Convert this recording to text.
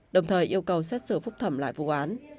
đồng thời yêu cầu xét xử phúc thẩm lại vụ án